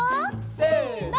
せの。